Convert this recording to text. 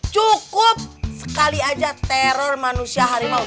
cukup sekali aja teror manusia harimau